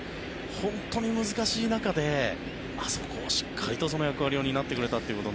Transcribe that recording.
本当に難しい中であそこをしっかりとその役割を担ってくれたと。